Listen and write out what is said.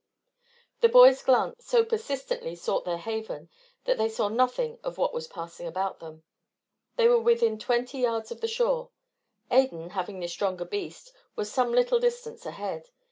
The boys' glance so persistently sought their haven that they saw nothing of what was passing about them. They were within twenty yards of the shore. Adan, having the stronger beast, was some little distance ahead.